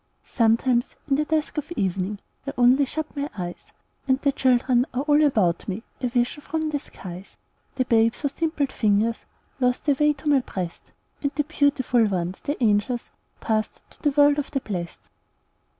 Sometimes, in the dusk of evening, I only shut my eyes, And the children are all about me, A vision from the skies: The babes whose dimpled fingers Lost the way to my breast, And the beautiful ones, the angels, Passed to the world of the blest.